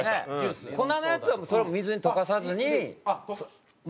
粉のやつはそれも水に溶かさずにそのまま。